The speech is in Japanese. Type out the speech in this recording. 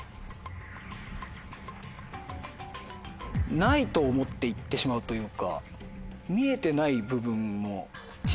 ないと思って行ってしまうというか。